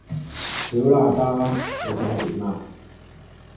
小喇叭呀！你想點呀